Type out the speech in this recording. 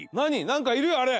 何かいるよあれ！